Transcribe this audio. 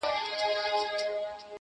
ما چي ټانګونه په سوکونو وهل-